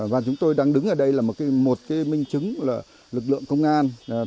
và chúng tôi đang đứng ở đây là một cái minh chứng là lực lượng công an